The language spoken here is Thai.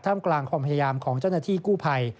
กลางความพยายามของเจ้าหน้าที่กู้ภัย